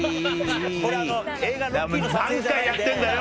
何回やってんだよ！